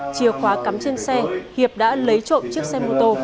chiều khóa cắm trên xe hiệp đã lấy trộm chiếc xe mô tô